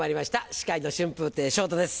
司会の春風亭昇太です